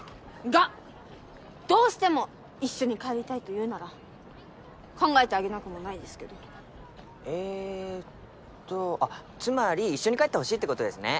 がどうしても一緒に帰りたいというなら考えてあげなくもないですけどえーっとあっつまり一緒に帰ってほしいってことですね